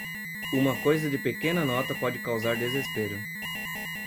Uma coisa de pequena nota pode causar desespero.